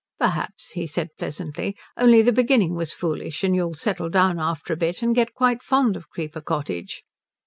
"Perhaps," he said pleasantly, "only the beginning was foolish, and you'll settle down after a bit and get quite fond of Creeper Cottage."